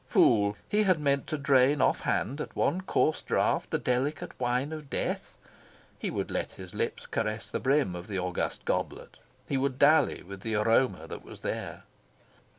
Fool, he had meant to drain off hand, at one coarse draught, the delicate wine of death. He would let his lips caress the brim of the august goblet. He would dally with the aroma that was there.